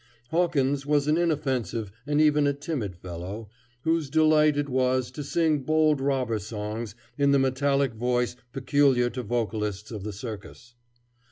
Hawkins was an inoffensive and even a timid fellow, whose delight it was to sing bold robber songs in the metallic voice peculiar to vocalists of the circus.